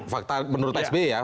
fakta menurut pak s b ya